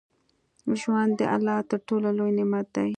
ژوند د الله تر ټولو لوى نعمت ديه.